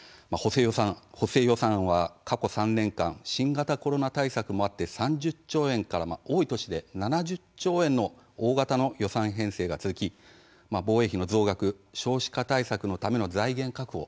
補正予算は過去３年間新型コロナ対策もあって３０兆円から多い年では７０兆円の大型の予算編成が続き防衛費の増額少子化対策のための財源確保